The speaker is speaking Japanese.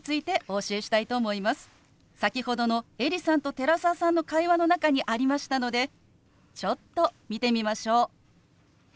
先ほどのエリさんと寺澤さんの会話の中にありましたのでちょっと見てみましょう。